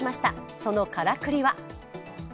そのからくりは？